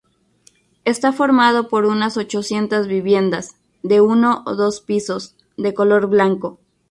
Está formado por unas ochocientas viviendas, de uno o dos pisos, de color blanco.